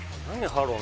「ハロー！